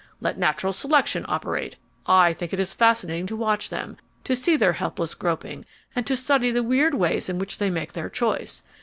Let natural selection operate. I think it is fascinating to watch them, to see their helpless groping, and to study the weird ways in which they make their choice.